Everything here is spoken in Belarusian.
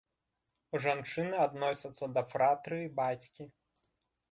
Жанчыны адносяцца да фратрыі бацькі.